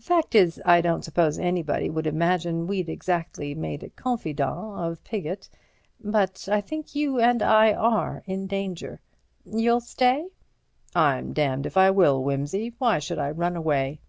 Fact is, I don't suppose anybody would imagine we'd exactly made a confidant of Piggott. But I think you and I are in danger. You'll stay?" "I'm damned if I will, Wimsey; why should I run away?"